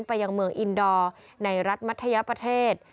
ยังเมืองอินดอร์ในรัฐมัธยประเทศ